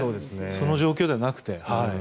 その状況ではなくて。